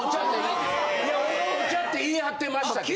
いや俺もお茶って言い張ってましたけど。